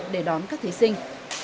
để đón các thí sinh